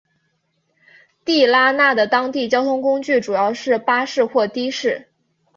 地拉那的当地交通工具主要是巴士或的士。